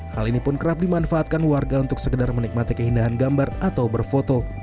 hal ini pun kerap dimanfaatkan warga untuk sekedar menikmati keindahan gambar atau berfoto